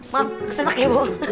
maaf kesenak ya bu